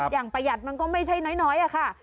ประหยัดมันก็ไม่ใช่น้อยค่ะ